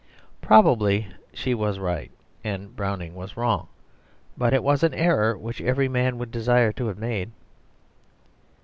Probably she was right and Browning wrong, but it was an error which every man would desire to have made.